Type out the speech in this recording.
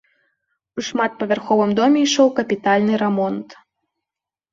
У шматпавярховым доме ішоў капітальны рамонт.